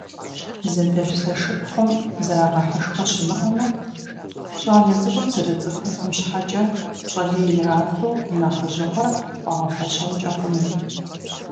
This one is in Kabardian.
Зэдэлъху-зэшыпхъум зэрагъэхьышхуэ щымыӀэмэ, щӀалэ цӀыкӀум зэрыцӀыхухъум щхьэкӀэ пщӀэ лей ирату нэхъыжьыгъуэр хуагъэфэщэнкӀэ хъунут.